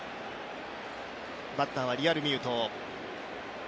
バッターはリアルミュート。